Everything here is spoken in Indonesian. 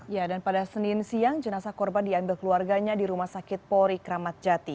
ya dan pada senin siang jenazah korban diambil keluarganya di rumah sakit pori kramatjati